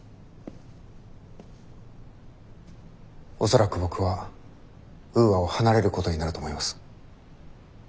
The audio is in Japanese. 恐らく僕はウーアを離れることになると思います。